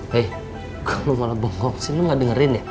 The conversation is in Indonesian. hei kalo lo malah bonggong sih lo gak dengerin ya